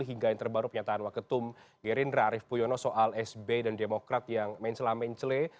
hingga yang terbaru penyataan waketum gerindra arief puyono soal sb dan demokrat yang mencela mencele